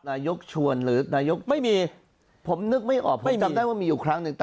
ชวนหรือนายกไม่มีผมนึกไม่ออกไม่จำได้ว่ามีอยู่ครั้งหนึ่ง